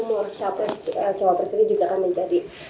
maka ini harus berhasil untuk memperbaiki keadaan indonesia